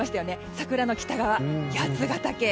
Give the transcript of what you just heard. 桜の北側八ケ岳。